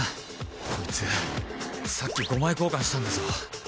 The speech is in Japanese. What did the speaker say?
こいつさっき５枚交換したんだぞ